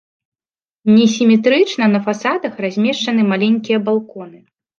Несіметрычна на фасадах размешчаны маленькія балконы.